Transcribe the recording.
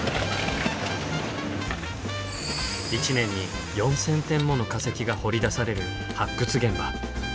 １年に４，０００点もの化石が掘り出される発掘現場。